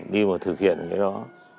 đi mà thực hiện cái đó